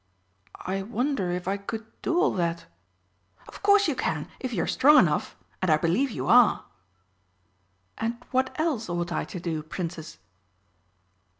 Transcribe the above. "I wonder if I could do all that." "Of course you can, if you are strong enough and I believe you are." "And what else ought I to do, Princess?"